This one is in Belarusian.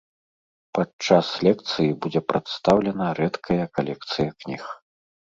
Падчас лекцыі будзе прадстаўлена рэдкая калекцыя кніг.